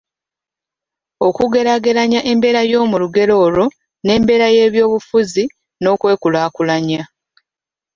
okugeraageranya embeera y’omu lugero olwo n’embeera y’ebyobufuzi n’okwekulaakulanya